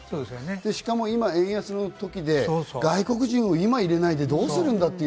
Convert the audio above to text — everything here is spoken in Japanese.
今、円安で外国人を今、入れないでどうするんだと。